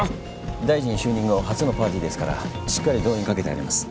大臣就任後初のパーティーですからしっかり動員かけてあります。